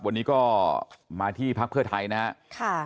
วันนี้ก็มาที่พักเพื่อไทยนะครับ